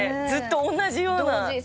ずっと同じような。